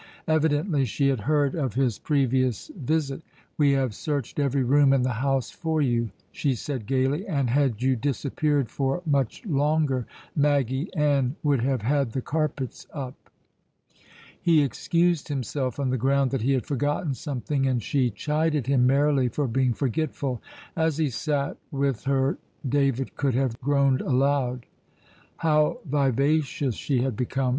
Evidently she had heard of his previous visit. "We have searched every room in the house for you," she said gaily, "and had you disappeared for much longer, Maggy Ann would have had the carpets up." He excused himself on the ground that he had forgotten something, and she chided him merrily for being forgetful. As he sat with her David could have groaned aloud. How vivacious she had become!